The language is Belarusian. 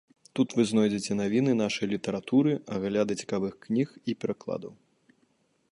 Тут вы знойдзеце навіны нашай літаратуры, агляды цікавых кніг і перакладаў.